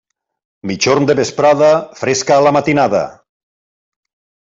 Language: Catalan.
Migjorn de vesprada, fresca a la matinada.